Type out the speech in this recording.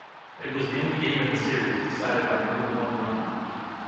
It was the only game in the Series decided by more than one run.